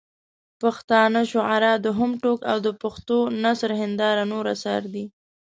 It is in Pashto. پښتانه شعراء دویم ټوک او د پښټو نثر هنداره نور اثار دي.